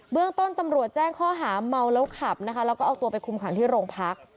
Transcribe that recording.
เรื่องต้นตำรวจแจ้งข้อหาเมาแล้วขับนะคะแล้วก็เอาตัวไปคุมขังที่โรงพัก